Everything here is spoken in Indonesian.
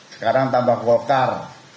sekarang tambah gokar